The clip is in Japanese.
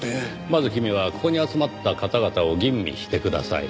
まず君はここに集まった方々を吟味してください。